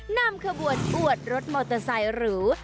นำขบวนอวดรถมอเตอร์ไซค์หรู